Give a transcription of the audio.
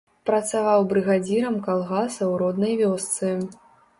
Працаваў брыгадзірам калгаса ў роднай вёсцы.